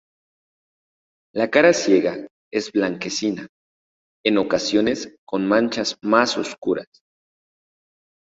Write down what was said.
La cara ciega es blanquecina, en ocasiones con manchas más oscuras.